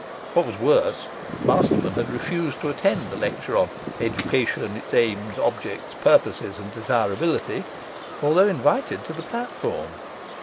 What was worse, Masterman had refused to attend the lecture on 'Education: Its Aims, Objects, Purposes, and Desirability', although invited to the platform.